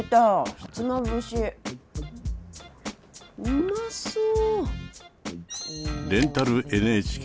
うまそう！